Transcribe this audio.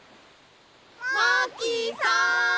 マーキーさん！